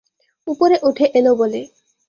উপরে উঠে এল বলে।